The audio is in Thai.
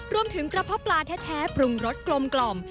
รวมถึงกระเพาะปลาแท้ปรุงรสกลม